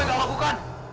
apa yang kamu lakukan